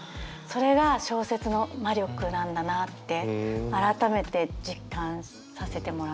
それが小説の魔力なんだなって改めて実感させてもらいました。